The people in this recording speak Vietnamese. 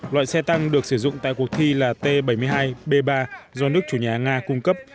loại xe tăng được sử dụng tại cuộc thi là t bảy mươi hai b ba do nước chủ nhà nga cung cấp